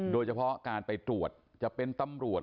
โดยเฉพาะการไปตรวจจะเป็นตำรวจ